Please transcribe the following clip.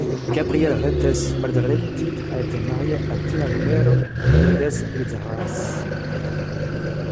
Gabriel Retes Balzaretti a été marié à Tina Romero et Lourdes Elizarrarás.